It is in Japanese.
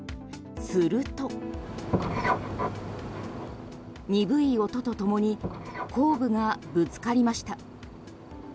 すると鈍い音とともに工具がぶつかりました。